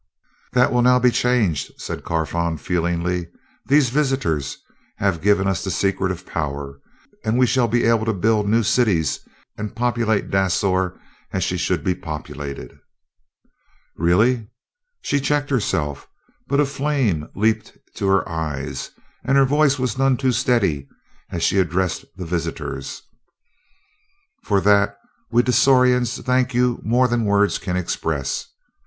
"That will now be changed," said Carfon feelingly. "These visitors have given us the secret of power, and we shall be able to build new cities and populate Dasor as she should he populated." "Really? " She checked herself, but a flame leaped to her eyes, and her voice was none too steady as she addressed the visitors. "For that we Dasorians thank you more than words can express.